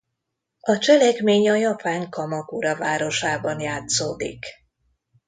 A cselekmény a japán Kamakura városában játszódik.